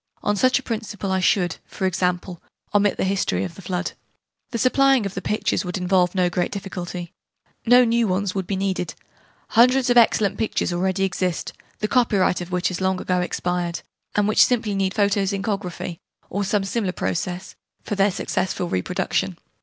(On such a principle I should, for example, omit the history of the Flood.) The supplying of the pictures would involve no great difficulty: no new ones would be needed: hundreds of excellent pictures already exist, the copyright of which has long ago expired, and which simply need photo zincography, or some similar process, for their successful reproduction.